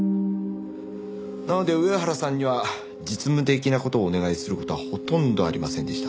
なので上原さんには実務的な事をお願いする事はほとんどありませんでした。